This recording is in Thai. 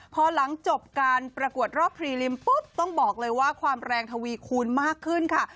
พอหลังจบการประกวดรอบพรีลิมปุ๊บต้องบอกเลยว่าความแรงทวีคูณมากขึ้นค่ะ